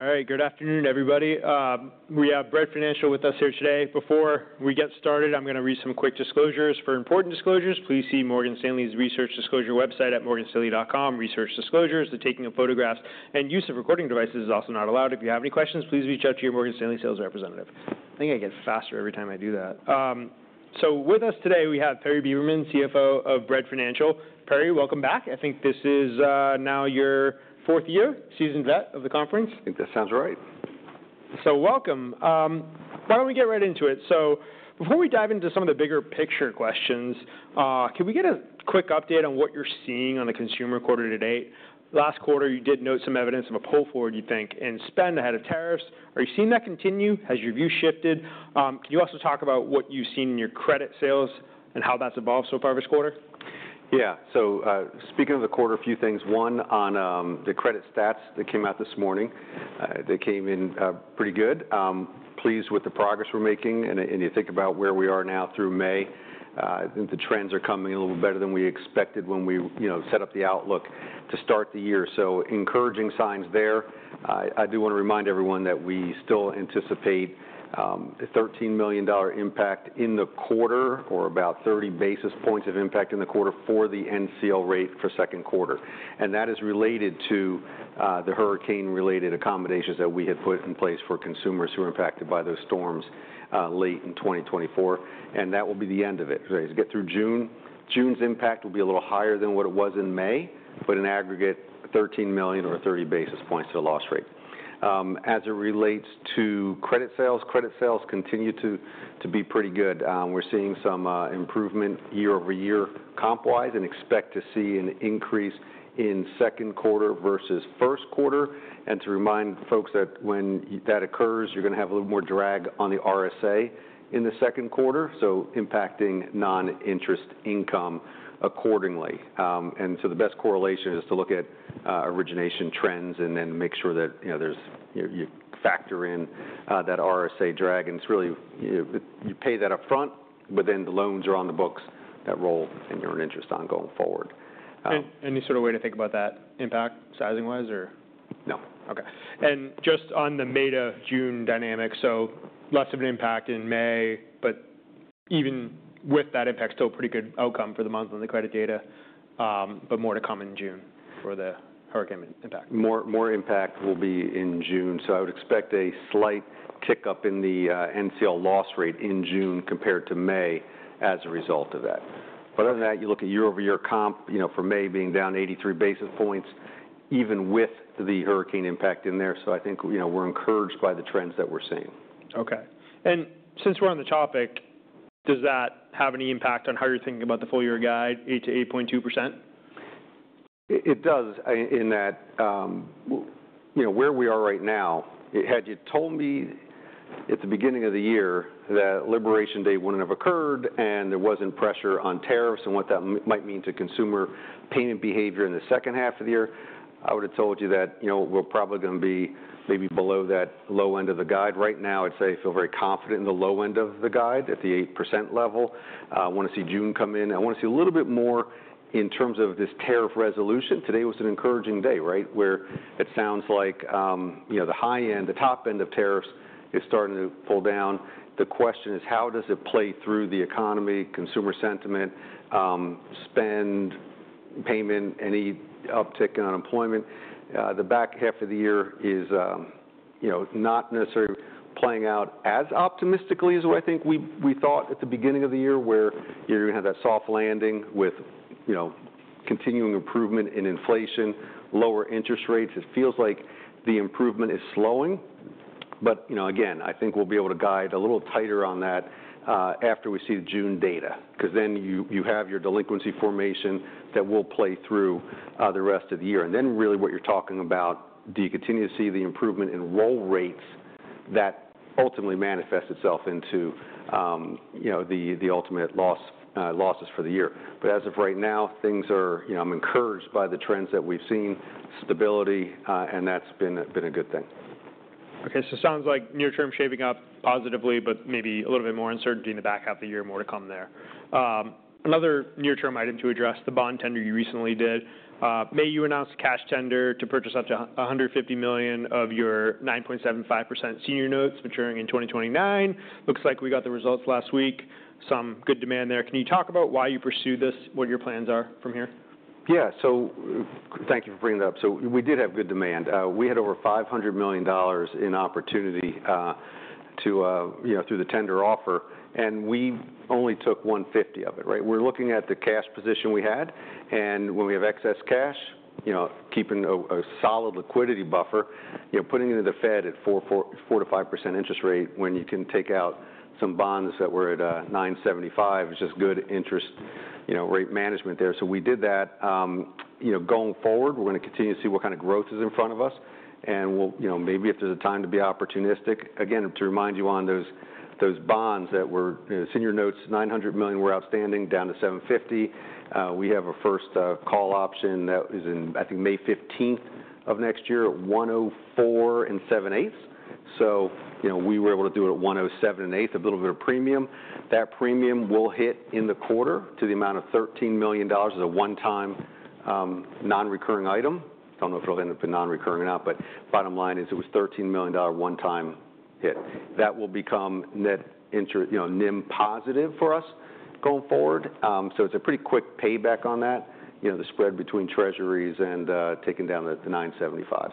All right. Good afternoon, everybody. We have Bread Financial with us here today. Before we get started, I'm going to read some quick disclosures. For important disclosures, please see Morgan Stanley's research disclosure website at morganstanley.com. Research disclosures, the taking of photographs, and use of recording devices is also not allowed. If you have any questions, please reach out to your Morgan Stanley sales representative. I think I get faster every time I do that. So with us today, we have Perry Beberman, CFO of Bread Financial. Perry, welcome back. I think this is, now your fourth year, seasoned vet of the conference. I think that sounds right. Welcome. Why don't we get right into it? Before we dive into some of the bigger picture questions, can we get a quick update on what you're seeing on the consumer quarter to date? Last quarter, you did note some evidence of a pull forward, you think, in spend ahead of tariffs. Are you seeing that continue? Has your view shifted? Can you also talk about what you've seen in your credit sales and how that's evolved so far this quarter? Yeah. So, speaking of the quarter, a few things. One, on the credit stats that came out this morning, they came in pretty good. Pleased with the progress we're making. You think about where we are now through May, I think the trends are coming a little better than we expected when we, you know, set up the outlook to start the year. Encouraging signs there. I do want to remind everyone that we still anticipate a $13 million impact in the quarter, or about 30 basis points of impact in the quarter for the NCL rate for second quarter. That is related to the hurricane-related accommodations that we had put in place for consumers who were impacted by those storms, late in 2024. That will be the end of it. As you get through June, June's impact will be a little higher than what it was in May, but in aggregate, $13 million or 30 basis points of a loss rate. As it relates to credit sales, credit sales continue to be pretty good. We're seeing some improvement year-over-year comp-wise and expect to see an increase in second quarter versus first quarter. To remind folks that when that occurs, you're going to have a little more drag on the RSA in the second quarter, so impacting non-interest income accordingly. The best correlation is to look at origination trends and then make sure that, you know, you factor in that RSA drag. It's really, you know, you pay that upfront, but then the loans are on the books that roll in your interest on going forward. Any sort of way to think about that impact sizing-wise, or? No. Okay. Just on the May to June dynamic, less of an impact in May, but even with that impact, still pretty good outcome for the month on the credit data, but more to come in June for the hurricane impact. More impact will be in June. I would expect a slight tick up in the NCL loss rate in June compared to May as a result of that. Other than that, you look at year-over-year comp, you know, for May being down 83 basis points, even with the hurricane impact in there. I think, you know, we're encouraged by the trends that we're seeing. Okay. Since we're on the topic, does that have any impact on how you're thinking about the full-year guide, 8-8.2%? It does, in that, you know, where we are right now, had you told me at the beginning of the year that Liberation Day would not have occurred and there was not pressure on tariffs and what that might mean to consumer payment behavior in the second half of the year, I would have told you that, you know, we are probably going to be maybe below that low end of the guide. Right now, I would say I feel very confident in the low end of the guide at the 8% level. I want to see June come in. I want to see a little bit more in terms of this tariff resolution. Today was an encouraging day, right, where it sounds like, you know, the high end, the top end of tariffs is starting to pull down. The question is, how does it play through the economy, consumer sentiment, spend payment, any uptick in unemployment? The back half of the year is, you know, not necessarily playing out as optimistically as what I think we thought at the beginning of the year, where you're going to have that soft landing with, you know, continuing improvement in inflation, lower interest rates. It feels like the improvement is slowing. You know, again, I think we'll be able to guide a little tighter on that, after we see the June data, because then you have your delinquency formation that will play through the rest of the year. And then really what you're talking about, do you continue to see the improvement in roll rates that ultimately manifests itself into, you know, the ultimate loss, losses for the year? As of right now, things are, you know, I'm encouraged by the trends that we've seen, stability, and that's been a good thing. Okay. So it sounds like near-term shaping up positively, but maybe a little bit more uncertainty in the back half of the year, more to come there. Another near-term item to address, the bond tender you recently did. You announced a cash tender to purchase up to $150 million of your 9.75% senior notes maturing in 2029. Looks like we got the results last week. Some good demand there. Can you talk about why you pursued this, what your plans are from here? Yeah. Thank you for bringing that up. We did have good demand. We had over $500 million in opportunity, you know, through the tender offer. We only took $150 million of it, right? We're looking at the cash position we had. When we have excess cash, you know, keeping a solid liquidity buffer, you know, putting it into the Fed at 4-5% interest rate when you can take out some bonds that were at 9.75%, which is good interest, you know, rate management there. We did that. You know, going forward, we're going to continue to see what kind of growth is in front of us. We'll, you know, maybe if there's a time to be opportunistic. Again, to remind you on those bonds that were, you know, senior notes, $900 million were outstanding, down to $750 million. We have a first call option that is in, I think, May 15th of next year at 104 and seven-eighths. You know, we were able to do it at 107 eighth, a little bit of premium. That premium will hit in the quarter to the amount of $13 million as a one-time, non-recurring item. I do not know if it will end up non-recurring or not, but bottom line is it was a $13 million one-time hit. That will become net inter, you know, NIM positive for us going forward. It is a pretty quick payback on that, you know, the spread between treasuries and taking down the 9.75s.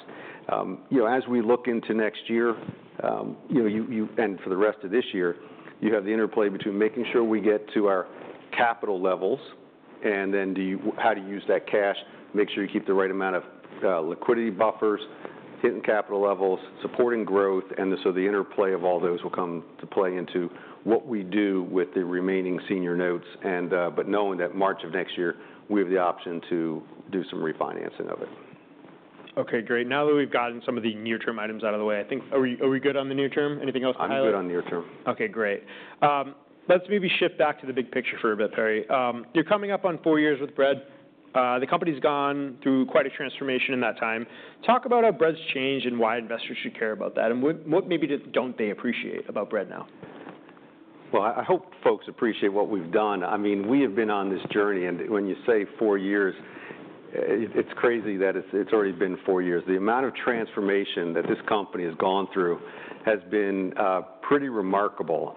You know, as we look into next year, you know, for the rest of this year, you have the interplay between making sure we get to our capital levels and then how do you use that cash, make sure you keep the right amount of liquidity buffers, hitting capital levels, supporting growth, and so the interplay of all those will come to play into what we do with the remaining senior notes. Knowing that March of next year, we have the option to do some refinancing of it. Okay. Great. Now that we've gotten some of the near-term items out of the way, I think are we, are we good on the near-term? Anything else to add? I'm good on the near-term. Okay. Great. Let's maybe shift back to the big picture for a bit, Perry. You're coming up on four years with Bread. The company's gone through quite a transformation in that time. Talk about how Bread's changed and why investors should care about that. What maybe don't they appreciate about Bread now? I hope folks appreciate what we've done. I mean, we have been on this journey. When you say four years, it's crazy that it's already been four years. The amount of transformation that this company has gone through has been pretty remarkable.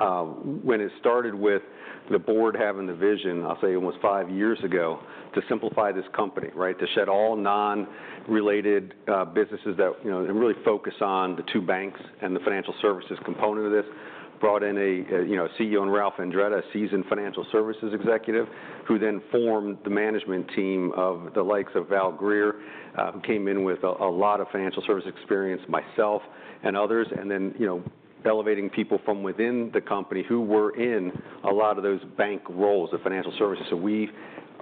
When it started with the board having the vision, I'll say it was five years ago, to simplify this company, right, to shed all non-related businesses that, you know, and really focus on the two banks and the financial services component of this, brought in a, you know, a CEO in Ralph Andretta, a seasoned financial services executive, who then formed the management team of the likes of Val Greer, who came in with a lot of financial service experience, myself and others. You know, elevating people from within the company who were in a lot of those bank roles of financial services. We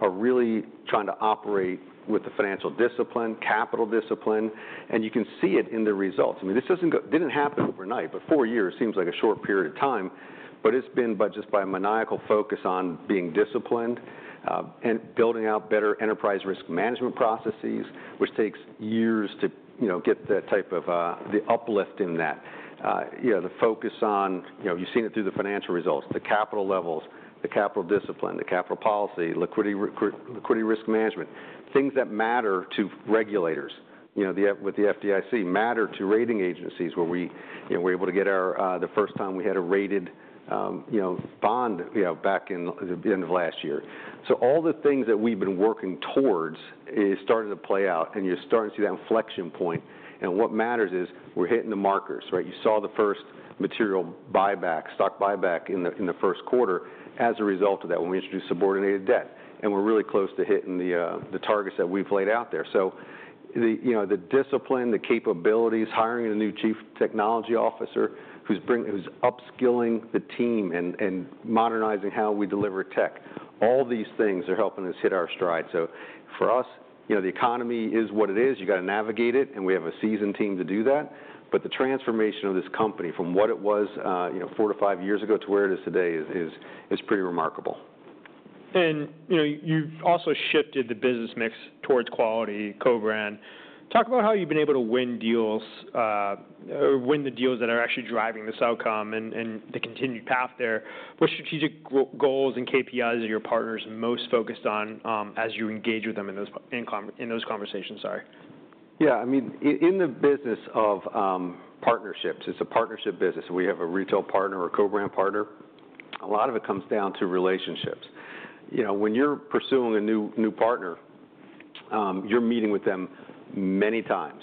are really trying to operate with the financial discipline, capital discipline. You can see it in the results. I mean, this did not happen overnight, but four years seems like a short period of time. It has been just by a maniacal focus on being disciplined, and building out better enterprise risk management processes, which takes years to get that type of uplift in that. You know, the focus on, you know, you've seen it through the financial results, the capital levels, the capital discipline, the capital policy, liquidity, liquidity risk management, things that matter to regulators, you know, the FDIC, matter to rating agencies where we, you know, we're able to get our, the first time we had a rated, you know, bond, you know, back in the end of last year. All the things that we've been working towards is starting to play out, and you're starting to see that inflection point. What matters is we're hitting the markers, right? You saw the first material buyback, stock buyback in the first quarter as a result of that when we introduced subordinated debt. We're really close to hitting the targets that we've laid out there. The discipline, the capabilities, hiring a new chief technology officer who's upskilling the team and modernizing how we deliver tech, all these things are helping us hit our stride. For us, you know, the economy is what it is. You got to navigate it. We have a seasoned team to do that. The transformation of this company from what it was, you know, four to five years ago to where it is today is pretty remarkable. You know, you've also shifted the business mix towards quality, co-brand. Talk about how you've been able to win deals, or win the deals that are actually driving this outcome and the continued path there. What strategic goals and KPIs are your partners most focused on, as you engage with them in those conversations? Sorry. Yeah. I mean, in the business of partnerships, it's a partnership business. We have a retail partner, a co-brand partner. A lot of it comes down to relationships. You know, when you're pursuing a new partner, you're meeting with them many times.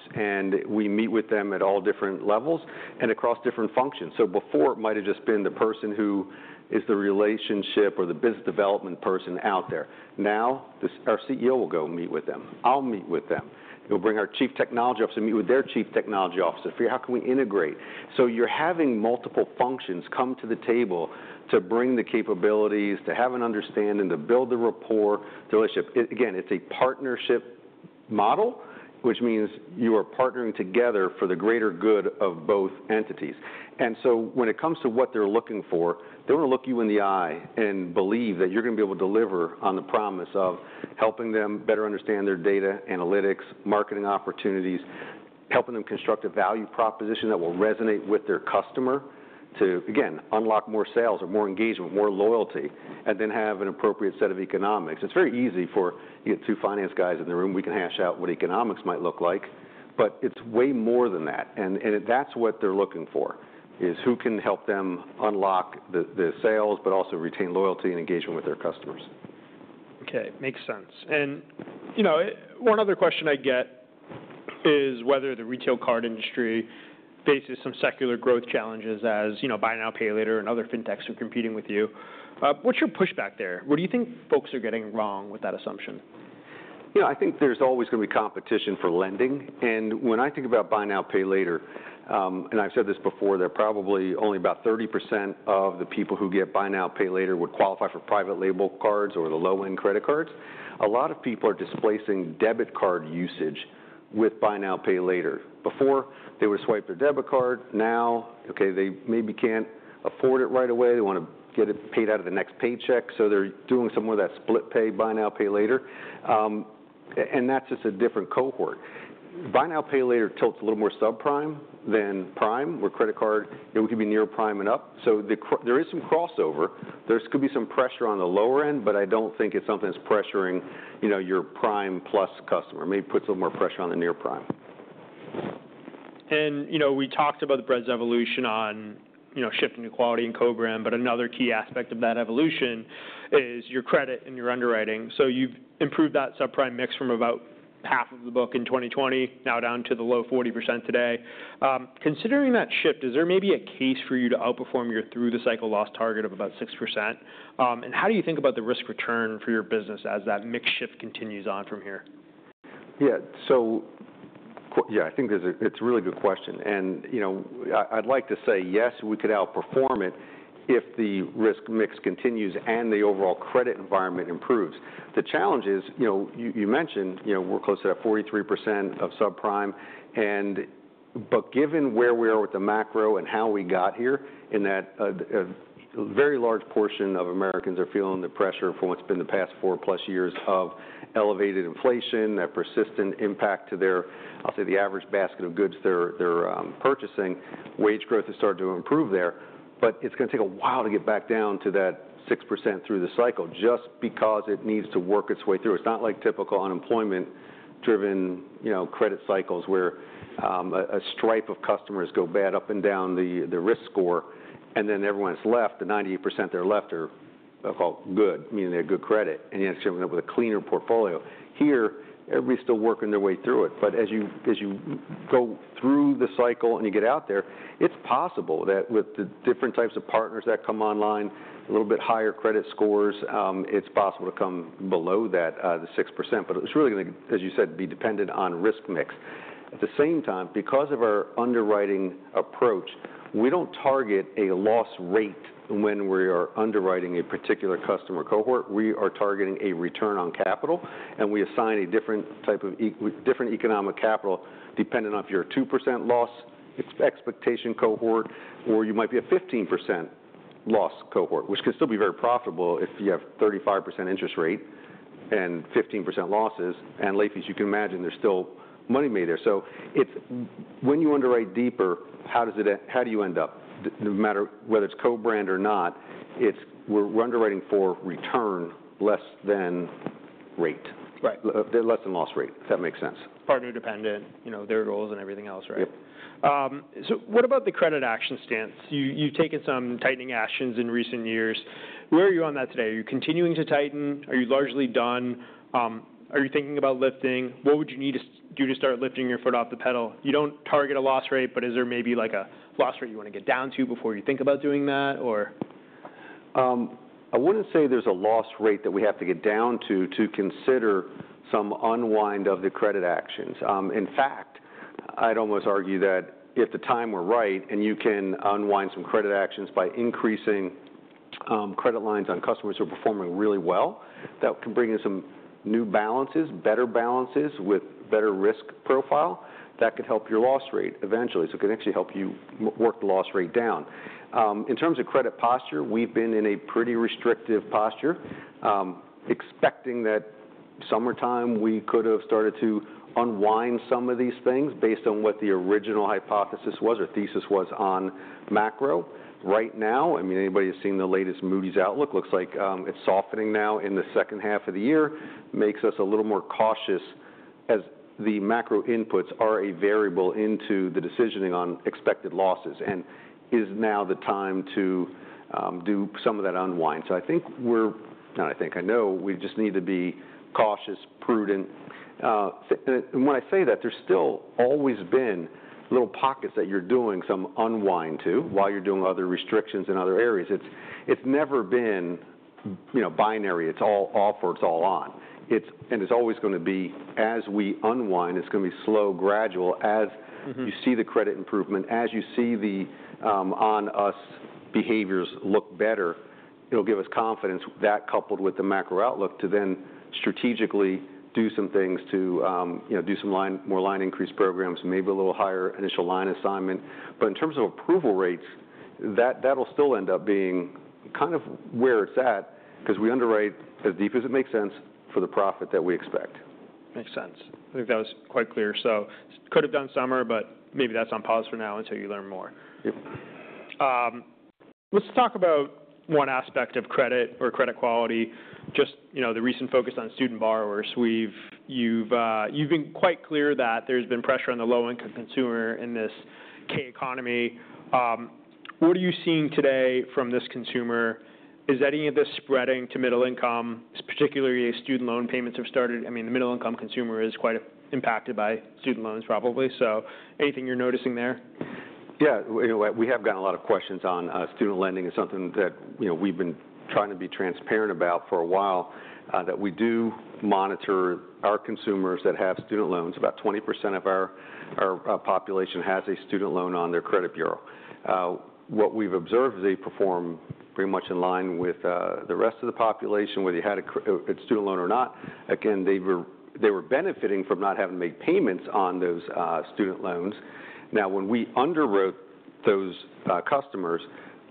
We meet with them at all different levels and across different functions. Before, it might have just been the person who is the relationship or the business development person out there. Now, our CEO will go meet with them. I'll meet with them. We'll bring our Chief Technology Officer to meet with their Chief Technology Officer. How can we integrate? You're having multiple functions come to the table to bring the capabilities, to have an understanding, to build the rapport, the relationship. Again, it's a partnership model, which means you are partnering together for the greater good of both entities. When it comes to what they're looking for, they want to look you in the eye and believe that you're going to be able to deliver on the promise of helping them better understand their data, analytics, marketing opportunities, helping them construct a value proposition that will resonate with their customer to, again, unlock more sales or more engagement, more loyalty, and then have an appropriate set of economics. It's very easy for, you know, two finance guys in the room. We can hash out what economics might look like. It's way more than that. That's what they're looking for, is who can help them unlock the sales, but also retain loyalty and engagement with their customers. Okay. Makes sense. You know, one other question I get is whether the retail card industry faces some secular growth challenges as, you know, buy now, pay later and other fintechs are competing with you. What's your pushback there? What do you think folks are getting wrong with that assumption? You know, I think there's always going to be competition for lending. And when I think about buy now, pay later, and I've said this before, there are probably only about 30% of the people who get buy now, pay later would qualify for private label cards or the low-end credit cards. A lot of people are displacing debit card usage with buy now, pay later. Before, they would swipe their debit card. Now, okay, they maybe can't afford it right away. They want to get it paid out of the next paycheck. So they're doing some more of that split pay, buy now, pay later. and that's just a different cohort. Buy now, pay later tilts a little more subprime than prime, where credit card, you know, we could be near prime and up. So the, there is some crossover. There could be some pressure on the lower end, but I don't think it's something that's pressuring, you know, your prime plus customer. Maybe puts a little more pressure on the near prime. You know, we talked about Bread's evolution on, you know, shifting to quality and co-brand. Another key aspect of that evolution is your credit and your underwriting. You have improved that subprime mix from about half of the book in 2020, now down to the low 40% today. Considering that shift, is there maybe a case for you to outperform your through-the-cycle loss target of about 6%? How do you think about the risk return for your business as that mix shift continues on from here? Yeah. Yeah, I think there's a, it's a really good question. You know, I'd like to say yes, we could outperform it if the risk mix continues and the overall credit environment improves. The challenge is, you know, you mentioned, you know, we're close to that 43% of subprime. Given where we are with the macro and how we got here in that a very large portion of Americans are feeling the pressure for what's been the past four-plus years of elevated inflation, that persistent impact to their, I'll say, the average basket of goods they're purchasing. Wage growth has started to improve there. It's going to take a while to get back down to that 6% through the cycle just because it needs to work its way through. It's not like typical unemployment-driven, you know, credit cycles where a stripe of customers go bad up and down the risk score. Then everyone that's left, the 98% that are left, are called good, meaning they have good credit. You end up with a cleaner portfolio. Here, everybody's still working their way through it. As you go through the cycle and you get out there, it's possible that with the different types of partners that come online, a little bit higher credit scores, it's possible to come below that, the 6%. It's really going to, as you said, be dependent on risk mix. At the same time, because of our underwriting approach, we don't target a loss rate when we are underwriting a particular customer cohort. We are targeting a return on capital. We assign a different type of economic capital depending on if you're a 2% loss expectation cohort or you might be a 15% loss cohort, which can still be very profitable if you have a 35% interest rate and 15% losses. Lately, as you can imagine, there's still money made there. It's when you underwrite deeper, how do you end up? No matter whether it's co-brand or not, we're underwriting for return less than rate. Right. Less than loss rate, if that makes sense. Partner-dependent, you know, their goals and everything else, right? Yep. What about the credit action stance? You, you've taken some tightening actions in recent years. Where are you on that today? Are you continuing to tighten? Are you largely done? Are you thinking about lifting? What would you need to do to start lifting your foot off the pedal? You do not target a loss rate, but is there maybe like a loss rate you want to get down to before you think about doing that, or? I wouldn't say there's a loss rate that we have to get down to to consider some unwind of the credit actions. In fact, I'd almost argue that if the time were right and you can unwind some credit actions by increasing credit lines on customers who are performing really well, that can bring in some new balances, better balances with better risk profile that could help your loss rate eventually. It can actually help you work the loss rate down. In terms of credit posture, we've been in a pretty restrictive posture, expecting that summertime we could have started to unwind some of these things based on what the original hypothesis was or thesis was on macro. Right now, I mean, anybody who's seen the latest Moody's outlook looks like it's softening now in the second half of the year. Makes us a little more cautious as the macro inputs are a variable into the decisioning on expected losses. Is now the time to do some of that unwind? I think we just need to be cautious, prudent. When I say that, there's still always been little pockets that you're doing some unwind to while you're doing other restrictions in other areas. It's never been, you know, binary. It's all off or it's all on. It's always going to be as we unwind, it's going to be slow, gradual as you see the credit improvement, as you see the on-us behaviors look better. It'll give us confidence that, coupled with the macro outlook, to then strategically do some things to, you know, do some more line increase programs, maybe a little higher initial line assignment. In terms of approval rates, that, that'll still end up being kind of where it's at because we underwrite as deep as it makes sense for the profit that we expect. Makes sense. I think that was quite clear. Could have done summer, but maybe that's on pause for now until you learn more. Yep. Let's talk about one aspect of credit or credit quality. Just, you know, the recent focus on student borrowers. You've been quite clear that there's been pressure on the low-income consumer in this K-economy. What are you seeing today from this consumer? Is any of this spreading to middle income, particularly as student loan payments have started? I mean, the middle-income consumer is quite impacted by student loans probably. So anything you're noticing there? Yeah. You know, we have gotten a lot of questions on, student lending is something that, you know, we've been trying to be transparent about for a while, that we do monitor our consumers that have student loans. About 20% of our population has a student loan on their credit bureau. What we've observed is they perform pretty much in line with the rest of the population, whether you had a student loan or not. Again, they were benefiting from not having to make payments on those student loans. Now, when we underwrote those customers,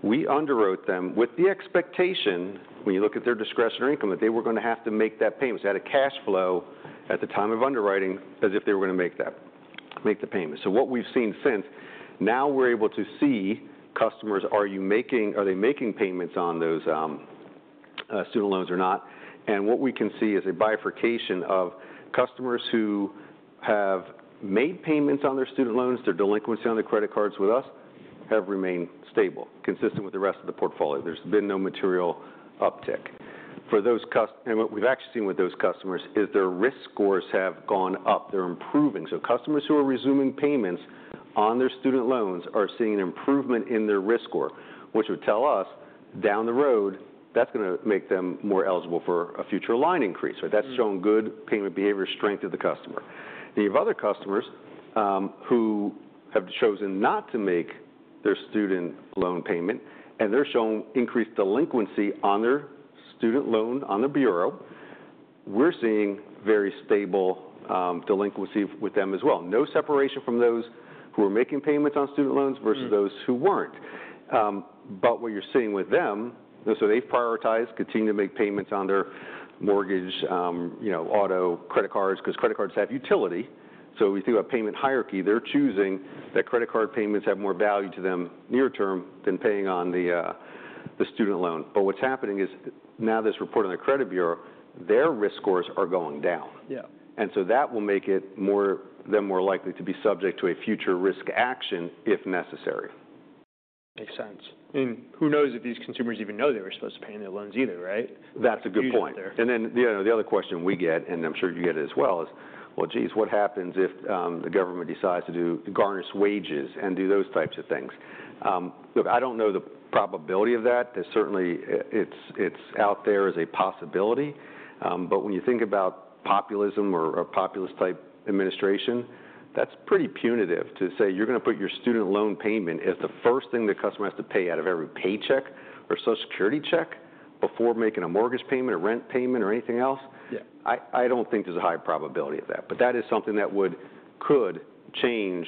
we underwrote them with the expectation, when you look at their discretionary income, that they were going to have to make that payment. So they had a cash flow at the time of underwriting as if they were going to make the payment. What we've seen since, now we're able to see customers, are you making, are they making payments on those student loans or not? What we can see is a bifurcation of customers who have made payments on their student loans. Their delinquency on their credit cards with us has remained stable, consistent with the rest of the portfolio. There's been no material uptick. What we've actually seen with those customers is their risk scores have gone up. They're improving. Customers who are resuming payments on their student loans are seeing an improvement in their risk score, which would tell us down the road that's going to make them more eligible for a future line increase. Right? That's shown good payment behavior, strength of the customer. You have other customers, who have chosen not to make their student loan payment, and they're showing increased delinquency on their student loan on the bureau. We're seeing very stable delinquency with them as well. No separation from those who are making payments on student loans versus those who weren't. What you're seeing with them, they've prioritized, continue to make payments on their mortgage, you know, auto, credit cards because credit cards have utility. If you think about payment hierarchy, they're choosing that credit card payments have more value to them near-term than paying on the student loan. What's happening is now this report on the credit bureau, their risk scores are going down. Yeah. That will make them more likely to be subject to a future risk action if necessary. Makes sense. Who knows if these consumers even know they were supposed to pay on their loans either, right? That's a good point. Then the other question we get, and I'm sure you get it as well, is, well, geez, what happens if the government decides to do garnish wages and do those types of things? Look, I don't know the probability of that. There's certainly, it's out there as a possibility. When you think about populism or a populist-type administration, that's pretty punitive to say you're going to put your student loan payment as the first thing the customer has to pay out of every paycheck or Social Security check before making a mortgage payment, a rent payment, or anything else. Yeah. I don't think there's a high probability of that. But that is something that could change,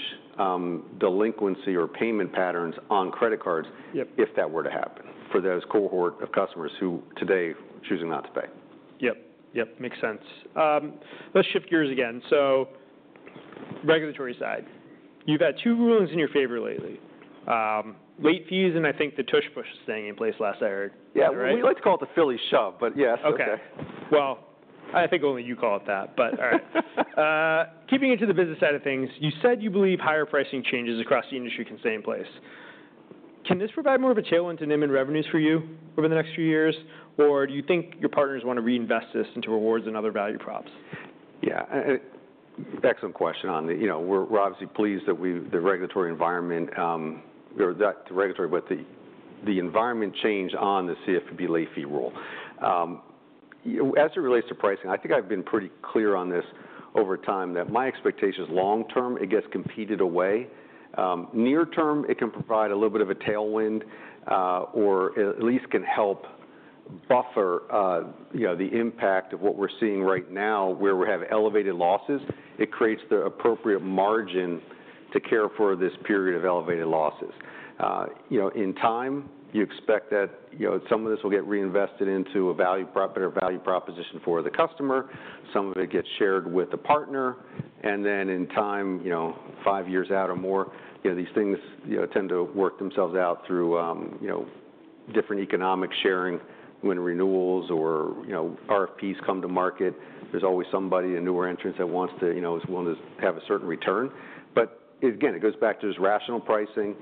delinquency or payment patterns on credit cards. Yep. If that were to happen for those cohort of customers who today are choosing not to pay. Yep. Yep. Makes sense. Let's shift gears again. Regulatory side. You've had two rulings in your favor lately. Late fees and I think the tush push staying in place last I heard. Yeah. We like to call it the Philly shove, but yes. Okay. I think only you call it that, but all right. Keeping it to the business side of things, you said you believe higher pricing changes across the industry can stay in place. Can this provide more of a tailwind to NIM and revenues for you over the next few years, or do you think your partners want to reinvest this into rewards and other value props? Yeah. Excellent question on the, you know, we're obviously pleased that we, the regulatory environment, or that the regulatory, but the environment change on the CFPB late fee rule. As it relates to pricing, I think I've been pretty clear on this over time that my expectation is long-term, it gets competed away. Near-term, it can provide a little bit of a tailwind, or at least can help buffer, you know, the impact of what we're seeing right now where we have elevated losses. It creates the appropriate margin to care for this period of elevated losses. You know, in time, you expect that, you know, some of this will get reinvested into a value prop, better value proposition for the customer. Some of it gets shared with a partner. In time, you know, five years out or more, you know, these things, you know, tend to work themselves out through, you know, different economic sharing when renewals or, you know, RFPs come to market. There's always somebody, a newer entrant that wants to, you know, is willing to have a certain return. Again, it goes back to this rational pricing.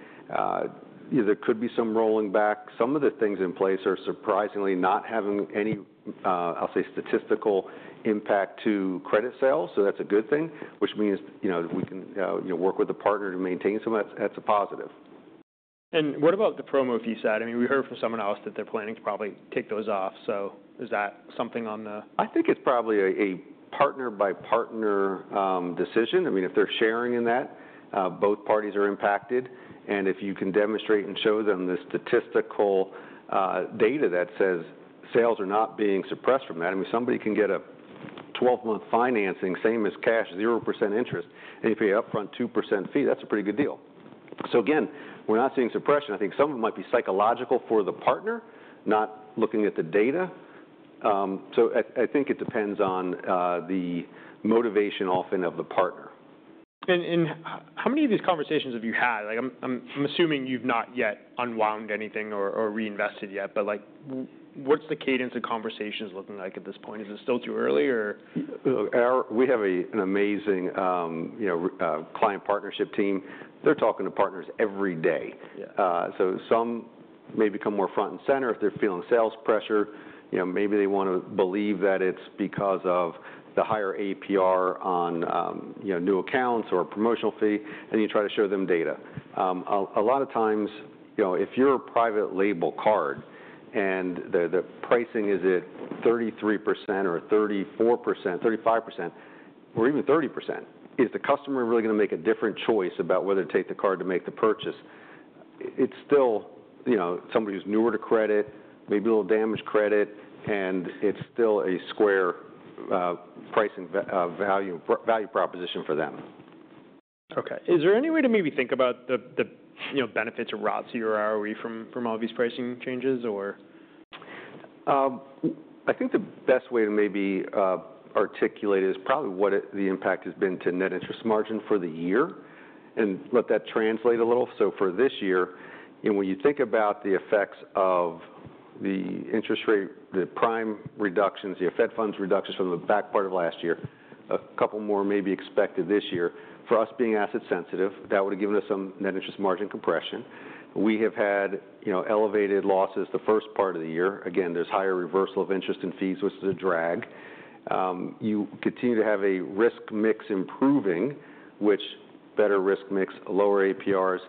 You know, there could be some rolling back. Some of the things in place are surprisingly not having any, I'll say, statistical impact to credit sales. That's a good thing, which means, you know, we can, you know, work with a partner to maintain some of that. That's a positive. What about the promo fee side? I mean, we heard from someone else that they're planning to probably take those off. Is that something on the. I think it's probably a partner-by-partner decision. I mean, if they're sharing in that, both parties are impacted. If you can demonstrate and show them the statistical data that says sales are not being suppressed from that, I mean, somebody can get a 12-month financing, same as cash, 0% interest, and you pay upfront 2% fee. That's a pretty good deal. Again, we're not seeing suppression. I think some of it might be psychological for the partner, not looking at the data. I think it depends on the motivation often of the partner. How many of these conversations have you had? I'm assuming you've not yet unwound anything or reinvested yet, but like, what's the cadence of conversations looking like at this point? Is it still too early? Look, we have an amazing, you know, client partnership team. They're talking to partners every day. Yeah. Some may become more front and center if they're feeling sales pressure. You know, maybe they want to believe that it's because of the higher APR on, you know, new accounts or promotional fee, and you try to show them data. A lot of times, you know, if you're a private label card and the pricing is at 33% or 34%, 35%, or even 30%, is the customer really going to make a different choice about whether to take the card to make the purchase? It's still, you know, somebody who's newer to credit, maybe a little damaged credit, and it's still a square, pricing, value, value proposition for them. Okay. Is there any way to maybe think about the, you know, benefits of ROTS or ROE from all these pricing changes, or? I think the best way to maybe articulate is probably what the impact has been to net interest margin for the year and let that translate a little. For this year, you know, when you think about the effects of the interest rate, the prime reductions, the Fed funds reductions from the back part of last year, a couple more may be expected this year. For us being asset sensitive, that would have given us some net interest margin compression. We have had, you know, elevated losses the first part of the year. Again, there's higher reversal of interest and fees, which is a drag. You continue to have a risk mix improving, which better risk mix, lower APRs,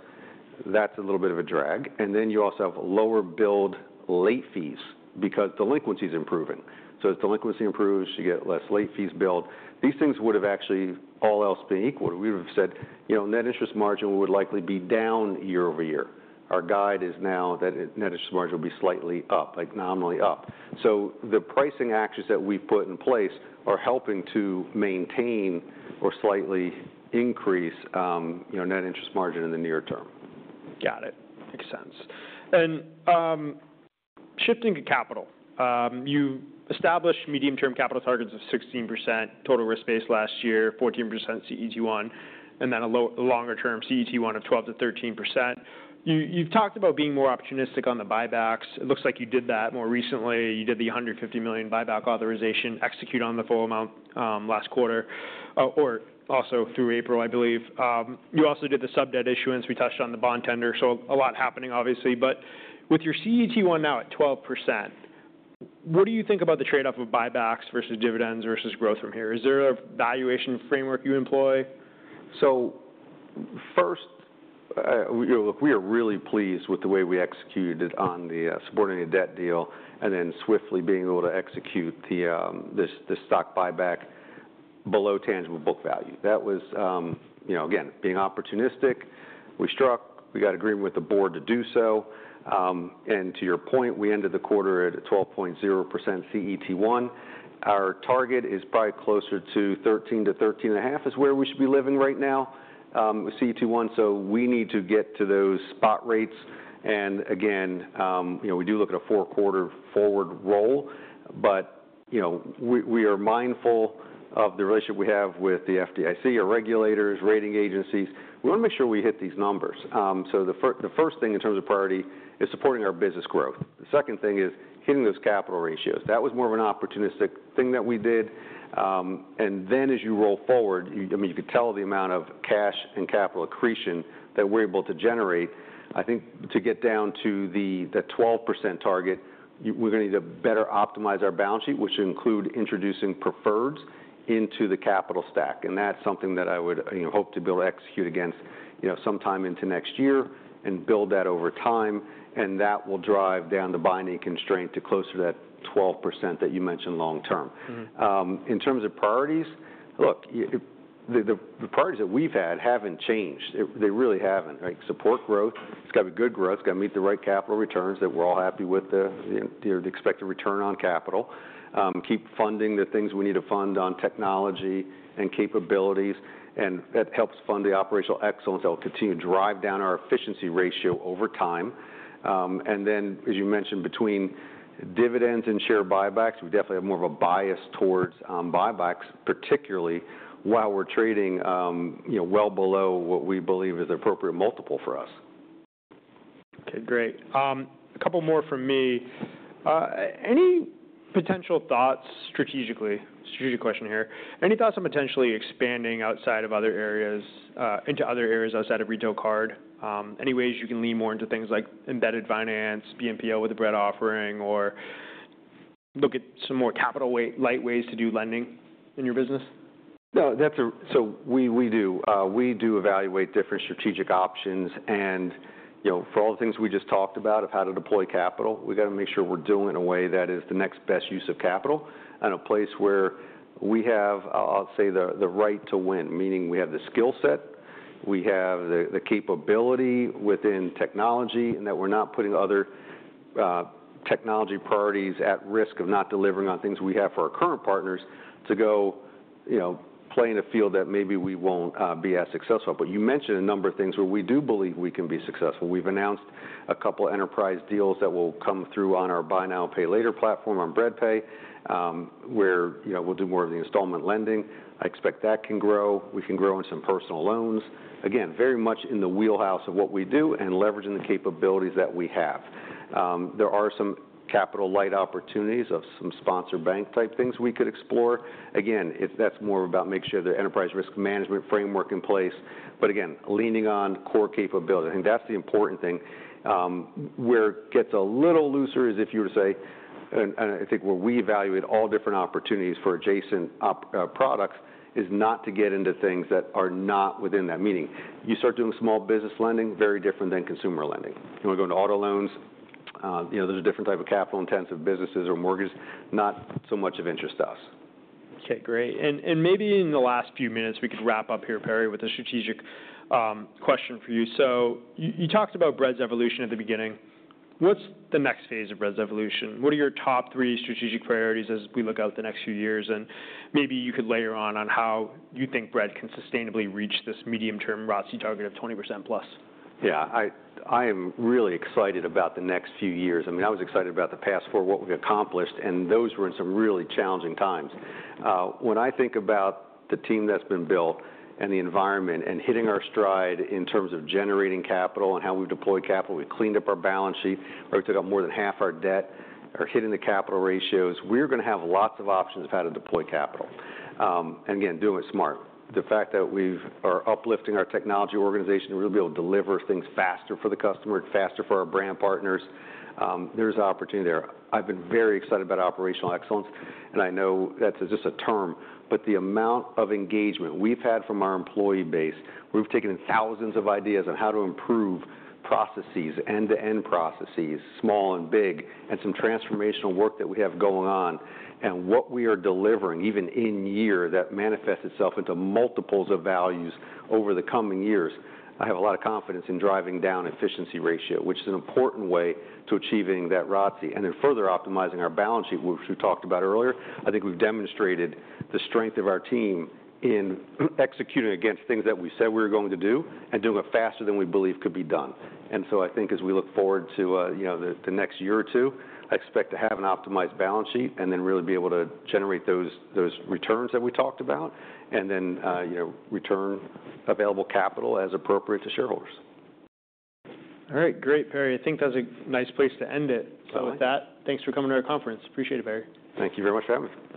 that's a little bit of a drag. Then you also have lower billed late fees because delinquency is improving. As delinquency improves, you get less late fees billed. These things would have actually, all else being equal. We would have said, you know, net interest margin would likely be down year over year. Our guide is now that net interest margin will be slightly up, like nominally up. So the pricing actions that we've put in place are helping to maintain or slightly increase, you know, net interest margin in the near term. Got it. Makes sense. Shifting to capital, you established medium-term capital targets of 16% total risk base last year, 14% CET1, and then a longer-term CET1 of 12-13%. You, you've talked about being more opportunistic on the buybacks. It looks like you did that more recently. You did the $150 million buyback authorization, execute on the full amount last quarter, or also through April, I believe. You also did the sub-debt issuance. We touched on the bond tender. A lot happening, obviously. With your CET1 now at 12%, what do you think about the trade-off of buybacks versus dividends versus growth from here? Is there a valuation framework you employ? First, you know, look, we are really pleased with the way we executed on supporting a debt deal and then swiftly being able to execute this stock buyback below tangible book value. That was, you know, again, being opportunistic. We struck, we got agreement with the board to do so. And to your point, we ended the quarter at a 12.0% CET1. Our target is probably closer to 13-13.5% is where we should be living right now, with CET1. We need to get to those spot rates. And again, you know, we do look at a four-quarter forward role, but, you know, we are mindful of the relationship we have with the FDIC, our regulators, rating agencies. We want to make sure we hit these numbers. The first thing in terms of priority is supporting our business growth. The second thing is hitting those capital ratios. That was more of an opportunistic thing that we did. And then as you roll forward, you, I mean, you could tell the amount of cash and capital accretion that we're able to generate. I think to get down to the 12% target, we're going to need to better optimize our balance sheet, which would include introducing preferreds into the capital stack. And that's something that I would, you know, hope to be able to execute against, you know, sometime into next year and build that over time. And that will drive down the binding constraint to closer to that 12% that you mentioned long-term. Mm-hmm. In terms of priorities, look, the priorities that we've had haven't changed. They really haven't. Right? Support growth. It's got to be good growth. It's got to meet the right capital returns that we're all happy with, the, you know, the expected return on capital. Keep funding the things we need to fund on technology and capabilities. That helps fund the operational excellence that will continue to drive down our efficiency ratio over time. As you mentioned, between dividends and share buybacks, we definitely have more of a bias towards buybacks, particularly while we're trading, you know, well below what we believe is the appropriate multiple for us. Okay. Great. A couple more from me. Any potential thoughts strategically? Strategic question here. Any thoughts on potentially expanding outside of other areas, into other areas outside of retail card? Any ways you can lean more into things like embedded finance, BNPL with a Bread offering, or look at some more capital light ways to do lending in your business? No, that's a, so we do, we do evaluate different strategic options. And, you know, for all the things we just talked about of how to deploy capital, we got to make sure we're doing it in a way that is the next best use of capital at a place where we have, I'll say, the right to win, meaning we have the skill set, we have the capability within technology, and that we're not putting other technology priorities at risk of not delivering on things we have for our current partners to go, you know, play in a field that maybe we won't be as successful. But you mentioned a number of things where we do believe we can be successful. We've announced a couple of enterprise deals that will come through on our buy now, pay later platform on Bread Pay, where, you know, we'll do more of the installment lending. I expect that can grow. We can grow on some personal loans. Again, very much in the wheelhouse of what we do and leveraging the capabilities that we have. There are some capital light opportunities of some sponsor bank type things we could explore. Again, that's more about making sure the enterprise risk management framework is in place. Again, leaning on core capability. I think that's the important thing. Where it gets a little looser is if you were to say, and, and I think where we evaluate all different opportunities for adjacent op, products is not to get into things that are not within that. Meaning you start doing small business lending, very different than consumer lending. You want to go into auto loans, you know, there's a different type of capital intensive businesses or mortgages, not so much of interest to us. Okay. Great. And maybe in the last few minutes, we could wrap up here, Perry, with a strategic question for you. So you, you talked about Bread's evolution at the beginning. What's the next phase of Bread's evolution? What are your top three strategic priorities as we look out the next few years? And maybe you could layer on how you think Bread can sustainably reach this medium-term ROTS target of 20% +. Yeah. I am really excited about the next few years. I mean, I was excited about the past four, what we've accomplished, and those were in some really challenging times. When I think about the team that's been built and the environment and hitting our stride in terms of generating capital and how we've deployed capital, we've cleaned up our balance sheet, right? We took out more than half our debt or hitting the capital ratios. We're going to have lots of options of how to deploy capital. Again, doing it smart. The fact that we are uplifting our technology organization to really be able to deliver things faster for the customer, faster for our brand partners, there's opportunity there. I've been very excited about operational excellence, and I know that's just a term, but the amount of engagement we've had from our employee base, we've taken thousands of ideas on how to improve processes, end-to-end processes, small and big, and some transformational work that we have going on, and what we are delivering even in year that manifests itself into multiples of values over the coming years. I have a lot of confidence in driving down efficiency ratio, which is an important way to achieving that ROTS and then further optimizing our balance sheet, which we talked about earlier. I think we've demonstrated the strength of our team in executing against things that we said we were going to do and doing it faster than we believe could be done. I think as we look forward to, you know, the next year or two, I expect to have an optimized balance sheet and then really be able to generate those returns that we talked about and then, you know, return available capital as appropriate to shareholders. All right. Great, Perry. I think that's a nice place to end it. All right. With that, thanks for coming to our conference. Appreciate it, Perry. Thank you very much for having me.